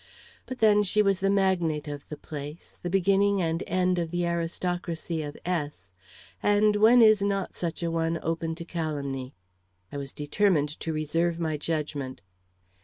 But then she was the magnate of the place, the beginning and end of the aristocracy of S ; and when is not such a one open to calumny? I was determined to reserve my judgment.